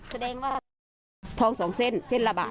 แสดงว่าทอง๒เส้นเส้นละบาท